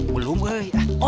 belum pak ya